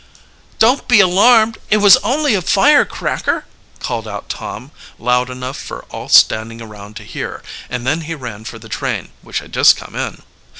"Don't be alarmed it was only a firecracker," called out Tom, loud enough for all standing around to hear, and then he ran for the train, which had just come in.